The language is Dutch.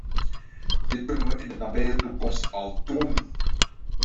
Dit kunnen we in de nabije toekomst al doen.